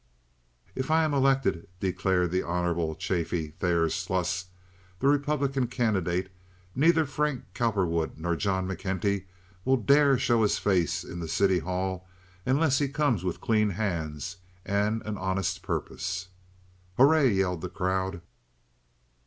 "If I am elected," declared the Honorable Chaffee Thayer Sluss, the Republican candidate, "neither Frank Cowperwood nor John McKenty will dare to show his face in the City Hall unless he comes with clean hands and an honest purpose. "Hooray!" yelled the crowd.